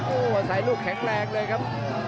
โอ้โหใส่ลูกแข็งแรงเลยครับ